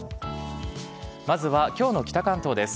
まずは今日の北関東です。